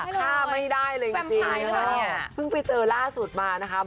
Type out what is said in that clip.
ฆ่าไม่ได้เลยจริงเพิ่งไปเจอล่าสุดมานะคะ